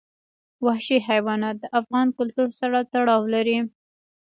وحشي حیوانات د افغان کلتور سره تړاو لري.